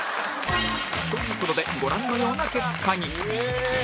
という事でご覧のような結果に